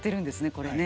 これね。